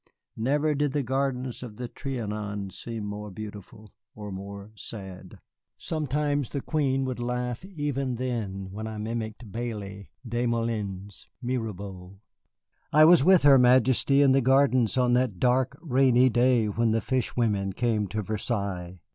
Never did the gardens of the Trianon seem more beautiful, or more sad. Sometimes the Queen would laugh even then when I mimicked Bailly, Des Moulins, Mirabeau. I was with her Majesty in the gardens on that dark, rainy day when the fishwomen came to Versailles.